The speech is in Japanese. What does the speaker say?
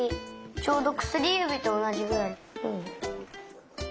ちょうどくすりゆびとおなじぐらい。